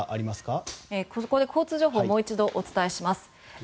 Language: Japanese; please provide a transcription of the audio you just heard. ここで交通情報をもう一度お伝えします。